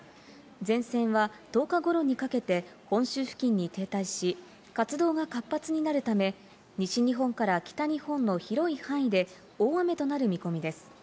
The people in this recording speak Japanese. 前線は１０日頃にかけて本州付近に停滞し、活動が活発になるため、西日本から北日本の広い範囲で、大雨となる見込みです。